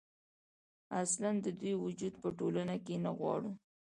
اصـلا د دوي وجـود پـه ټـولـنـه کـې نـه غـواړي.